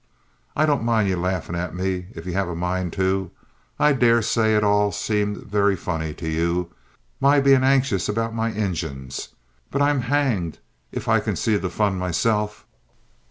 "I don't mind your laughing at me if you have a mind too. I daresay it all seemed very funny to you, my being anxious about my engines, but I'm hanged if I can see the fun myself."